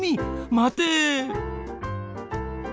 まて。